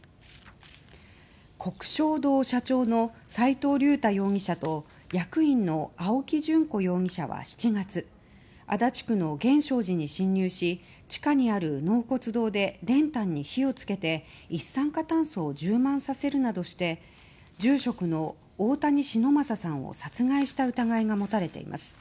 鵠祥堂社長の齋藤竜太容疑者と役員の青木淳子容疑者は７月、足立区の源証寺に侵入し地下にある納骨堂で練炭に火を付けて一酸化炭素を充満させるなどして住職の大谷忍昌さんを殺害した疑いが持たれています。